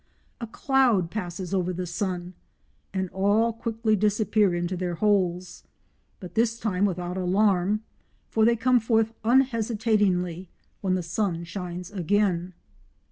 A cloud passes over the sun and all quickly disappear into their holes, but this time without alarm, for they come forth unhesitatingly when the sun shines again.